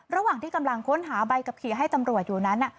ระหว่างที่กำลังค้นหาใบขับขี่ให้ตำรวจอยู่นั้น